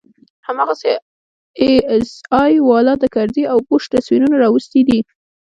هماغسې آى اس آى والا د کرزي او بوش تصويرونه راوستي دي.